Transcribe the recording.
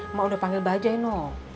mama udah panggil bajaj no